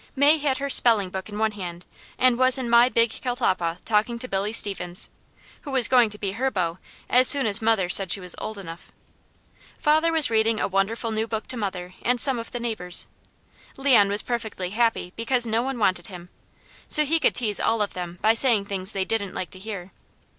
May had her spelling book in one hand and was in my big catalpa talking to Billy Stevens, who was going to be her beau as soon as mother said she was old enough. Father was reading a wonderful new book to mother and some of the neighbours. Leon was perfectly happy because no one wanted him, so he could tease all of them by saying things they didn't like to hear.